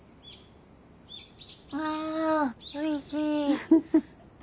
あおいしい。